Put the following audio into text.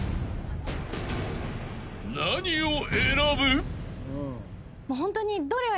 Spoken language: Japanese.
［何を選ぶ？］